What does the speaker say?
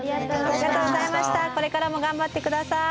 これからも頑張って下さい。